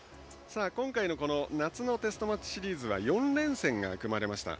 今回の夏のテストマッチシリーズは４連戦が組まれました。